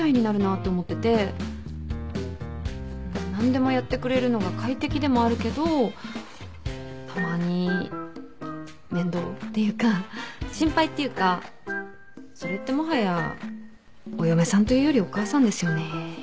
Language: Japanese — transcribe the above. ん何でもやってくれるのが快適でもあるけどたまに面倒っていうか心配っていうかそれってもはやお嫁さんというよりお母さんですよね。